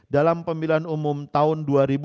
dalam pemilihan umum tahun dua ribu sembilan belas